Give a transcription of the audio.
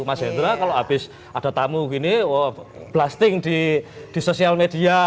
mas hendra kalau habis ada tamu gini blasting di sosial media